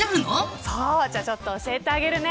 じゃあちょっと教えてあげるね。